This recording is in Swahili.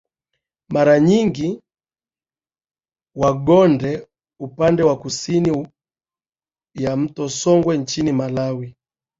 Mara nyingi Wagonde upande wa kusini ya mto Songwe nchini Malawi